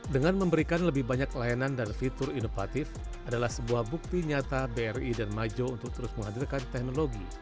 dengan memberikan lebih banyak layanan dan fitur inovatif adalah sebuah bukti nyata bri dan majo untuk terus menghadirkan teknologi